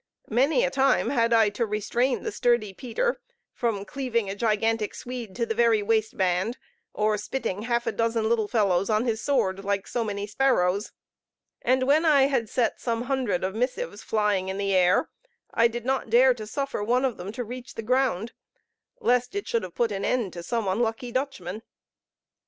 Many a time had I to restrain the sturdy Peter from cleaving a gigantic Swede to the very waistband, or spitting half a dozen little fellows on his sword, like so many sparrows. And when I had set some hundred of missives flying in the air, I did not dare to suffer one of them to reach the ground, lest it should have put an end to some unlucky Dutchman.